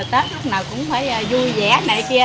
tết lúc nào cũng phải vui vẻ này kia